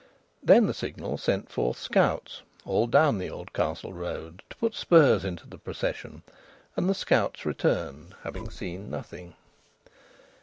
Then the Signal sent forth scouts all down the Oldcastle Road to put spurs into the procession, and the scouts returned, having seen nothing.